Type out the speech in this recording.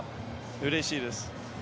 うれしいです。